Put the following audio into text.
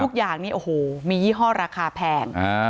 ทุกอย่างนี้โอ้โหมียี่ห้อราคาแพง